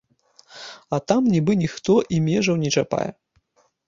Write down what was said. А там нібы ніхто і межаў не чапае.